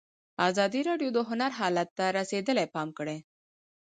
ازادي راډیو د هنر حالت ته رسېدلي پام کړی.